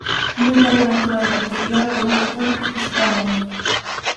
Non valoran todo o deterioro do uso público que supón Ence.